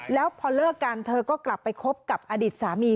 แล้วพอเลิกกันเธอก็กลับไปคบกับอดีตสามี